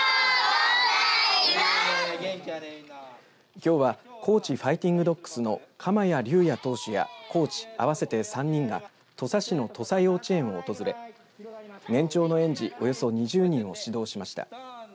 きょうは高知ファイティングドッグスの釜谷竜哉投手やコーチ合わせて３人が土佐市の土佐幼稚園を訪れ年長の園児およそ２０人を指導しました。